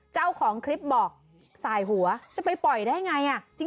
เจ้าของคลิปบอกสายหัวจะไปปล่อยได้ไง